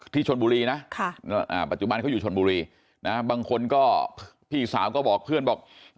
ชนบุรีนะปัจจุบันเขาอยู่ชนบุรีนะบางคนก็พี่สาวก็บอกเพื่อนบอก